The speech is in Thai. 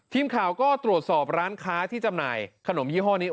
ทีมข่าวก็ตรวจสอบร้านค้าที่จำหน่ายขนมยี่ห้อนี้